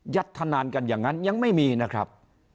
ธนานกันอย่างนั้นยังไม่มีนะครับ